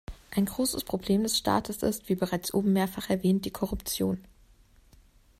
Ein großes Problem des Staates ist, wie bereits oben mehrfach erwähnt, die Korruption.